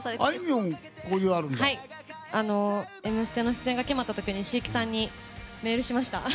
「Ｍステ」の出演が決まった時椎木さんにメールしました。